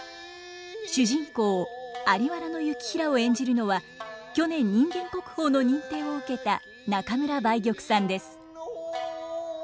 在原行平を演じるのは去年人間国宝の認定を受けた中村梅玉さんです。